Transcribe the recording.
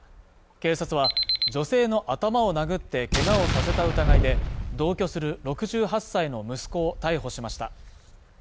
警察は、女性の頭を殴ってけがをさせた疑いで、同居する６８歳の息子を逮捕しました。